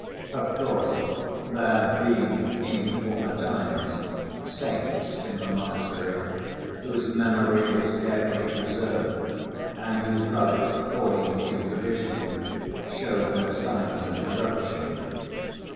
Of course there had been, in former times, saints in the monastery whose memory was carefully preserved and whose relics, according to tradition, showed no signs of corruption.